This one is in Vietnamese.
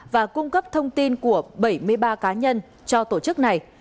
và cung cấp thông tin của bảy mươi ba cá nhân cho tổ chức này